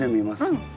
うん。